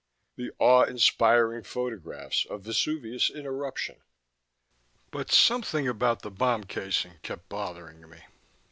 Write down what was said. The awe inspiring photographs of Vesuvius in eruption. But something about the bomb casing kept bothering me.